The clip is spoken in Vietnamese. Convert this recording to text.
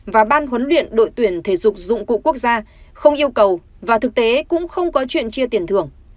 và ban huấn luyện đội tuyển thể dục dụng cụ quốc gia không yêu cầu và thực tế cũng không có chuyện chia tiền thưởng